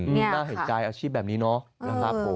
น่าเหตุการณ์อาชีพแบบนี้เนาะนะครับผม